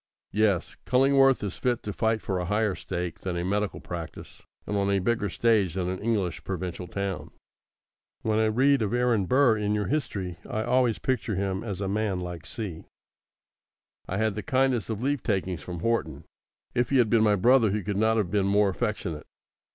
Yes; Cullingworth is fit to fight for a higher stake than a medical practice, and on a bigger stage than an English provincial town. When I read of Aaron Burr in your history I always picture him as a man like C. I had the kindest of leave takings from Horton. If he had been my brother he could not have been more affectionate.